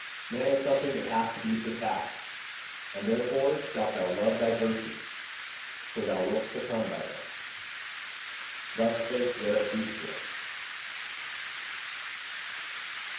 Man is something that hath to be surpassed: and therefore shalt thou love thy virtues, for thou wilt succumb by them. Thus spake Zarathustra.